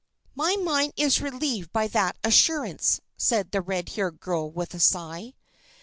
"My mind is relieved by that assurance," said the red haired girl with a sigh.